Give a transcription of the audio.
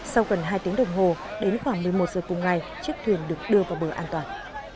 sau gần hai tiếng đồng hồ đến khoảng một mươi một giờ cùng ngày chiếc thuyền được đưa vào bờ an toàn